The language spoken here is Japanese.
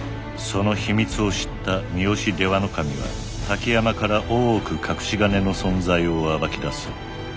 その秘密を知った三好出羽守は滝山から大奥隠し金の存在を暴き出す。